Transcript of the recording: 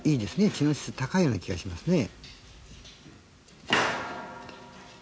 知能指数が高いような気がしますね。